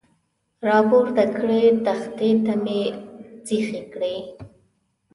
را پورته کړې، تختې ته مې سیخې کړې.